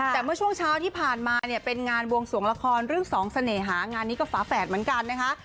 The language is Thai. แต่เมื่อช่วงเช้าที่ผ่านมาเนี่ยเป็นงานบวงสวงละครเรื่องสองเสน่หางานนี้ก็ฝาแฝดเหมือนกันนะคะ